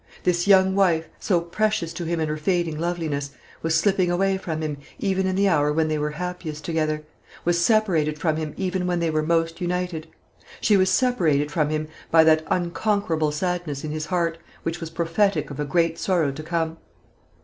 This young wife, so precious to him in her fading loveliness, was slipping away from him, even in the hour when they were happiest together was separated from him even when they were most united. She was separated from him by that unconquerable sadness in his heart, which was prophetic of a great sorrow to come.